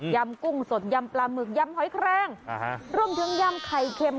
กุ้งสดยำปลาหมึกยำหอยแครงรวมถึงยำไข่เค็ม